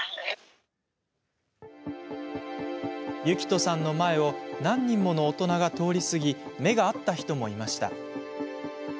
ユキトさんの前を何人もの大人が通り過ぎ目が合った人もいました。